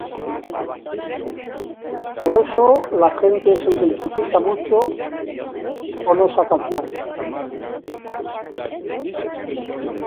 Por eso la gente se identificó mucho con esta canción".